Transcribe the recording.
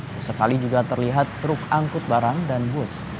sesekali juga terlihat truk angkut barang dan bus